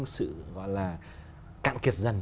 sự gọi là cạn kiệt dần